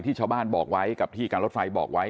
ชาวบ้านบอกไว้กับที่การรถไฟบอกไว้